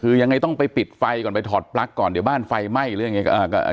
คือยังไงต้องไปปิดไฟก่อนไปถอดปลั๊กก่อนเดี๋ยวบ้านไฟไหม้หรือยังไง